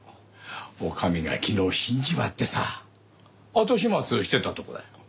女将が昨日死んじまってさ後始末してたとこだよ。